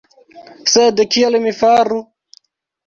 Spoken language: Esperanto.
Sed kiel mi faru?